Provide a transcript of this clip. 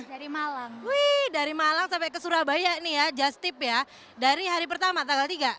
dari malang wih dari malang sampai ke surabaya nih ya just tip ya dari hari pertama tanggal tiga